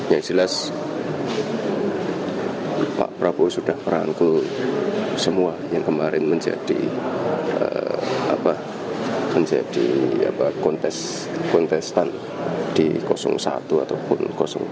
yang jelas pak prabowo sudah merangkul semua yang kemarin menjadi kontestan di satu ataupun dua